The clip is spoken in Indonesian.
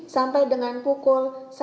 sampai dengan pukul